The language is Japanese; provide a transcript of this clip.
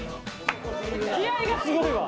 気合いがすごいわ。